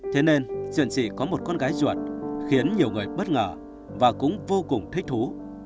thế nên diện sĩ có một con gái ruột khiến nhiều người bất ngờ và cũng vô cùng thích thú